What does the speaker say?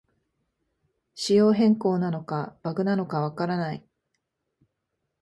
仕様変更なのかバグなのかわからない